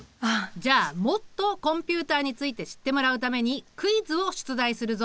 じゃあもっとコンピュータについて知ってもらうためにクイズを出題するぞ。